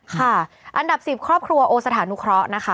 ค่ะอันดับ๑๐ครอบครัวโอสถานุเคราะห์นะคะ